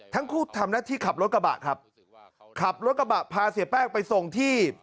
ทั้งคู่ทำหน้าที่ขับรถกระบะครับขับรถกระบะพาเสียแป้งไปส่งที่